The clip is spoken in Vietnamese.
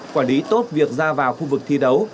quản lý tốt việc ra vào khu vực thi đấu